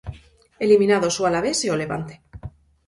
Eliminados o Alavés e o Levante.